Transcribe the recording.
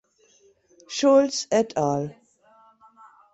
Schulz "et al.